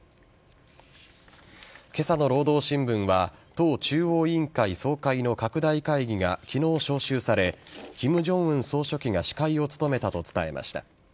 今朝の労働新聞は党中央委員会総会の拡大会議が昨日、招集され金正恩総書記が司会を務めたと伝えました。